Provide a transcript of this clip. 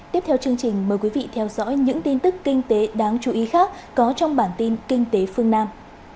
tiếp theo chương trình mời quý vị theo dõi những tin tức kinh tế đáng chú ý khác có trong bản tin kinh tế phương nam